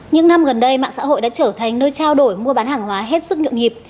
những năm gần đây mạng xã hội đã trở thành nơi trao đổi mua bán hàng hóa hết sức nhượng nhịp